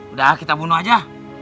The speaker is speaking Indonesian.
udah kita bunuh aja